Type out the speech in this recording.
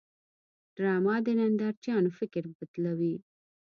ډرامه د نندارچیانو فکر بدلوي